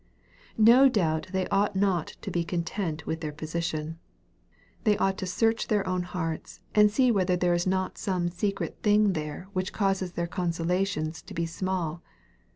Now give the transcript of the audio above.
No doubt they ought not to be content with their position. They ought to search their own hearts, and see whether there is not some secret thing there which causes their consolations to be small.